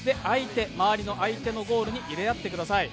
周りの相手のゴールに入れ合ってください。